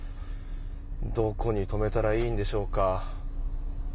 どこに止めたらいいんでしょうか。